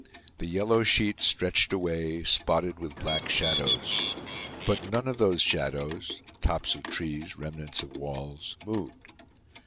The yellow sheet stretched away, spotted with black shadows. But none of those shadows—tops of trees, remnants of walls—moved.